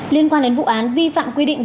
liên quan đến vụ án vi phạm quy định